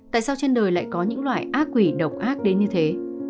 tại sao trên đời lại có những loại ác quỷ độc ác đến như thế